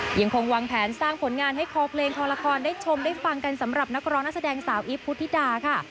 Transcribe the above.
ยังคงวางแผนสร้างผลงานให้คอเพลงคอละครได้ชมได้ฟังกันสำหรับนักร้องนักแสดงสาวอีฟพุทธิดาค่ะ